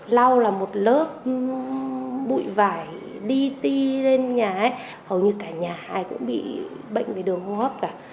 lau là một lớp bụi vải đi ti lên nhà ấy hầu như cả nhà ai cũng bị bệnh về đường hô hấp cả